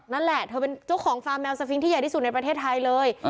นั่นแหละเธอเป็นเจ้าของฟาร์มแมวสฟิงค์ที่ใหญ่ที่สุดในประเทศไทยเลย